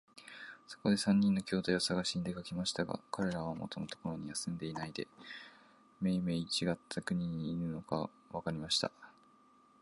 そこで三人の兄弟をさがしに出かけましたが、かれらは元のところには住んでいないで、めいめいちがった国にいるのがわかりました。